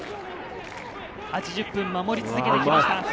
８０分守り続けてきました。